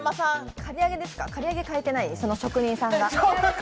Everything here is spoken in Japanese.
刈り上げ変えてない、職人さんが。